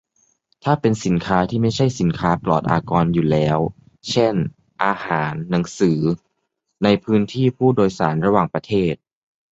ถ้าเป็นสินค้าที่ไม่ใช่สินค้าปลอดอากรอยู่แล้ว เช่น อาหาร หนังสือ ในพื้นที่ผู้โดยสารระหว่างประเทศ